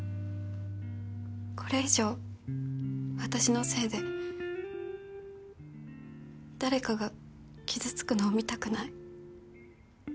これ以上私のせいで誰かが傷つくのを見たくない。